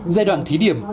giai đoạn thí điểm